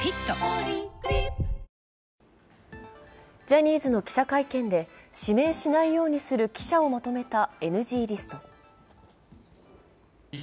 ポリグリップジャニーズの記者会見で指名しないようにする記者をまとめたＮＧリスト。